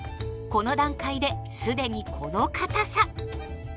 この段階で既にこのかたさ。